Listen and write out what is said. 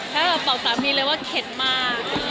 แบบเฝ้าจำนีเลยว่าเข็ดมาก